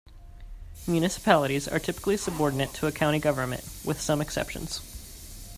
Municipalities are typically subordinate to a county government, with some exceptions.